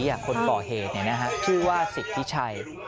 อันนี้คนป่อเหตุชื่อว่าสิทธิชัย